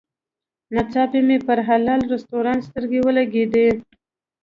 ناڅاپي مې پر حلال رسټورانټ سترګې ولګېدې.